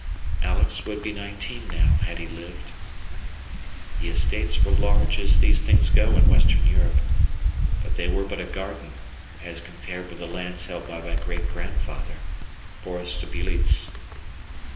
Alex would be nineteen now, had he lived. The estates were large as these things go in Western Europe, but they were but a garden as compared with the lands held by my great grandfather, Boris Sbeiliez.